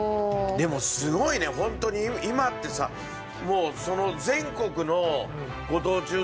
でもすごいねホントに今ってさもうその。